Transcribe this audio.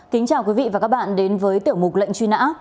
kính chào quý vị và các bạn đến với tiểu mục lệnh truy nã